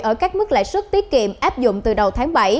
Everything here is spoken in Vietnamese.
ở các mức lãi suất tiết kiệm áp dụng từ đầu tháng bảy